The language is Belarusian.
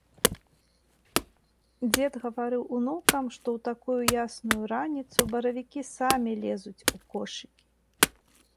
Дзед гаварыў унукам, што ў такую ясную раніцу баравікі самі лезуць у кошыкі.